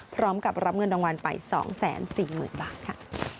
พร้อมกับรับเงินดังวัลไป๒แสน๔หมื่นบาทค่ะ